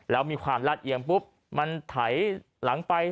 แล้วมีความลาดเอียงปุ๊บมันไถหลังไป